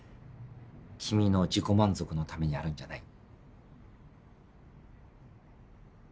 君の自己満足のためにあるんじゃない。